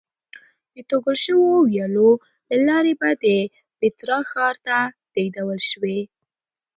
د توږل شویو ویالو له لارې به د پیترا ښار ته لېږدول شوې.